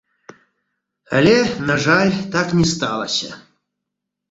Але, на жаль, так не сталася.